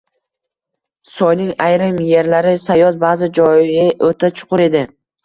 Soyning ayrim erlari sayoz, ba`zi joyi o`ta chuqur edi